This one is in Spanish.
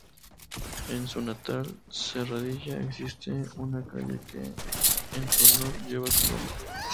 En su natal Serradilla existe una calle que, en su honor, lleva su nombre.